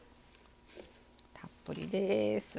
たっぷりです。